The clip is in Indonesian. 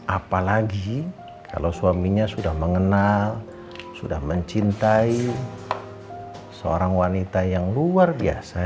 apalagi kalau suaminya sudah mengenal sudah mencintai seorang wanita yang luar biasa